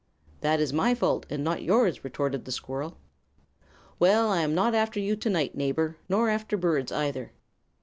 "That is my fault, and not yours," retorted the squirrel. "Well, I'm not after you tonight, neighbor, nor after birds, either.